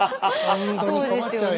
本当に困っちゃうよ。